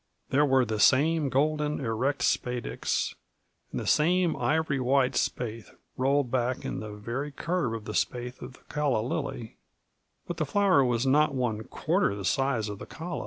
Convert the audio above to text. There were the same golden, erect spadix, and the same ivory white spathe rolled back in the very curve of the spathe of the calla lily; but the flower was not one quarter the size of the calla.